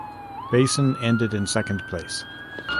Beysen ended in second place.